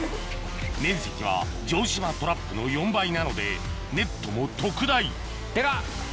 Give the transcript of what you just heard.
面積は城島トラップの４倍なのでネットも特大デカっ！